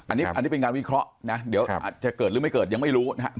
อันนี้เป็นงานวิเคราะห์นะเดี๋ยวอาจจะเกิดหรือไม่เกิดยังไม่รู้นะครับ